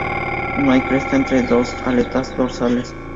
No hay cresta entre las dos aletas dorsales.